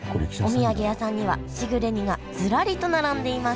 お土産屋さんにはしぐれ煮がずらりと並んでいます